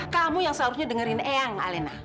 kamu yang seharusnya dengerin ehang alina